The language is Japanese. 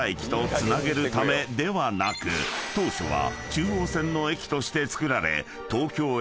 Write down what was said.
［当初は］